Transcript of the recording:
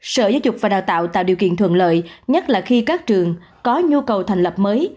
sở giáo dục và đào tạo tạo điều kiện thuận lợi nhất là khi các trường có nhu cầu thành lập mới